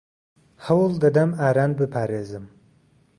ھەوڵ دەدەم ئاران بپارێزم.